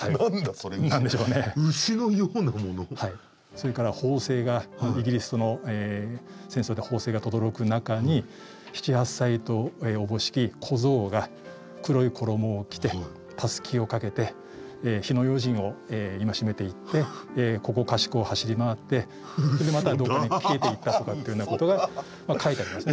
それから砲声がイギリスとの戦争で砲声がとどろく中に７８歳とおぼしき小僧が黒い衣を着てたすきをかけて火の用心を戒めていってここかしこを走り回ってでまたどこかに消えていったとかっていうようなことが書いてありますね。